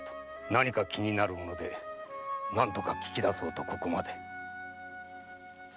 何か気になるもので何とか聞き出そうとここまで。